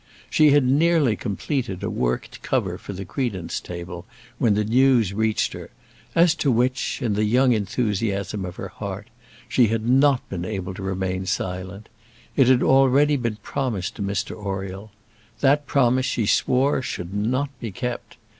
She had nearly completed a worked cover for a credence table when the news reached her, as to which, in the young enthusiasm of her heart, she had not been able to remain silent; it had already been promised to Mr Oriel; that promise she swore should not be kept.